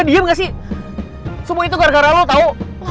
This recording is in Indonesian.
lo udah diem gak sih semua itu gara gara lo tau